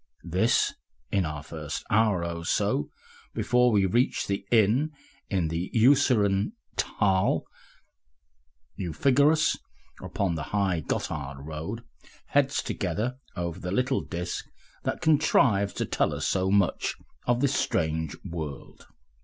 (This, in our first hour or so before we reach the inn in the Urseren Thal.) You figure us upon the high Gotthard road, heads together over the little disk that contrives to tell us so much of this strange world.